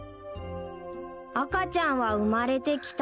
［赤ちゃんは生まれてきた］